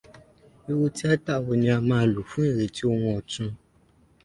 Irú tíátà wọ ni a máa ń lò fún ìrètí oun ọ̀tun?